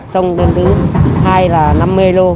xong lần thứ hai là năm mươi lô